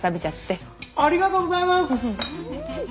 ありがとうございます！